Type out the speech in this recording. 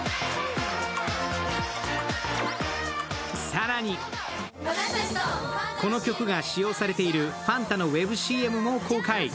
更に、この曲が使用されているファンタのウェブＣＭも公開。